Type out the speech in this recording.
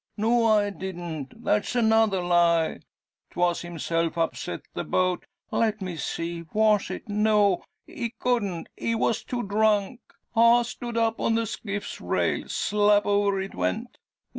No, I didn't. That's another lie! 'Twas himself upset the boat. Let me see was it? No! he couldn't, he was too drunk. I stood up on the skiff's rail. Slap over it went.